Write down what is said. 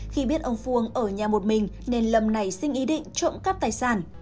khi biết ông phuong ở nhà một mình nên lâm này xin ý định trộm cắt tài sản